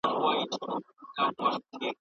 هغوی په مالي چارو کې له حده زیات بې پروا وو.